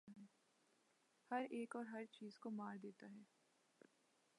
ہر ایک اور ہر چیز کو مار دیتا ہے